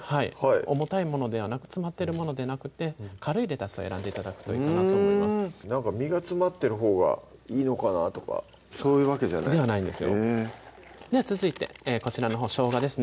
重たいものではなく詰まってるものでなくて軽いレタスを選んで頂くといいかなと思いますなんか実が詰まってるほうがいいのかなとかそういう訳じゃない？ではないんですよでは続いてこちらのほうしょうがですね